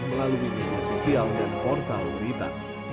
melalui media sosial dan portal berita